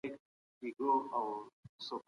پرون هغه له خپلو ملګرو سره په اخلاص چلند وکړ.